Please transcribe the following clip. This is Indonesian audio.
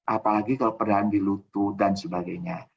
apalagi kalau perdaan di lutu dan sebagainya